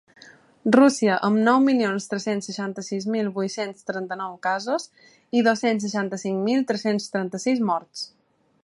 Rússia, amb nou milions tres-cents seixanta-sis mil vuit-cents trenta-nou casos i dos-cents seixanta-cinc mil tres-cents trenta-sis morts.